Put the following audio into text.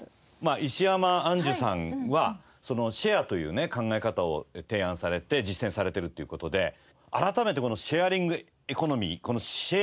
石山アンジュさんはシェアという考え方を提案されて実践されているという事で改めてシェアリングエコノミーこのシェアリング